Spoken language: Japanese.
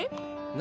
何？